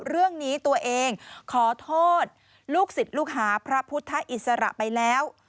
เรื่องนี้ตัวเองขอโทษลูกศิษย์ลูกหาพระพุทธอิสระไปแล้ว